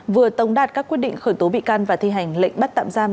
vừa tống đạt các quyết định khởi tố bị can và thi hành lệnh bắt tạm giam